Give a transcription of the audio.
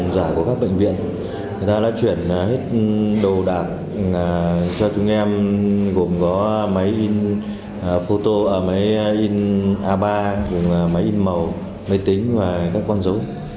giải của các bệnh viện người ta đã chuyển hết đồ đạc cho chúng em gồm có máy in a ba máy in màu máy tính và các con dấu